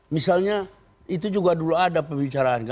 misalnya itu juga dulu ada pembicaraan